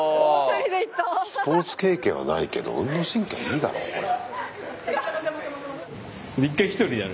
スポーツ経験はないけど運動神経はいいだろうこれ。